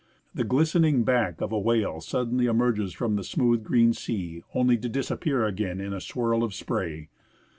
The glistening back of a whale suddenly emerges from the smooth green sea, only to disappear again in a swirl of spray.